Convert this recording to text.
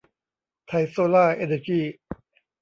ไทย โซล่าร์ เอ็นเนอร์ยี่